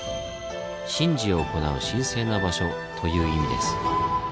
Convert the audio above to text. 「神事を行う神聖な場所」という意味です。